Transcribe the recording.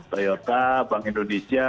priyota bank indonesia